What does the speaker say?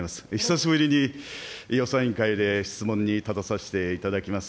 久しぶりに予算委員会で質問にたたさせていただきます。